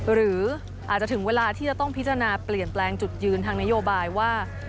หรืออาจจะถึงเวลาที่จะต้องพิจารณาเปลี่ยนแปลงจุดยืนทางนโยบายว่า